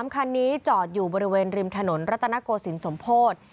คันนี้จอดอยู่บริเวณริมถนนรัตนโกศิลปสมโพธิ